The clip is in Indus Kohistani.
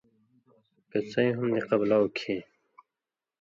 کہ څَیں ہُم نی قبلاؤ کھیں،